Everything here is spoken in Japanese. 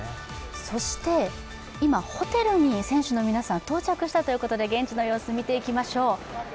そして今、ホテルに選手の皆さん到着したということで現地の様子、見ていきましょう。